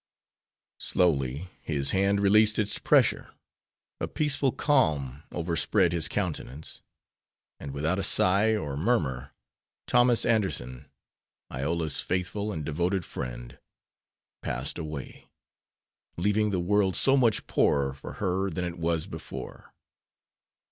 Slowly his hand released its pressure, a peaceful calm overspread his countenance, and without a sigh or murmur Thomas Anderson, Iola's faithful and devoted friend, passed away, leaving the world so much poorer for her than it was before.